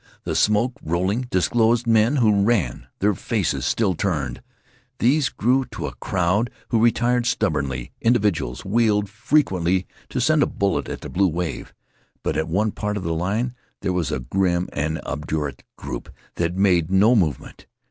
The smoke, rolling, disclosed men who ran, their faces still turned. These grew to a crowd, who retired stubbornly. Individuals wheeled frequently to send a bullet at the blue wave. But at one part of the line there was a grim and obdurate group that made no movement.